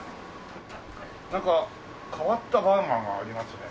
なんか変わったバーガーがありますね。